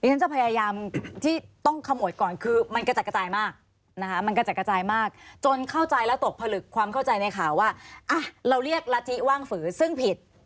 ฉันจะพยายามที่ต้องขโมยก่อนคือมันกระจัดกระจายมากนะคะมันกระจัดกระจายมากจนเข้าใจแล้วตกผลึกความเข้าใจในข่าวว่าเราเรียกรัฐธิว่างฝือซึ่งผิด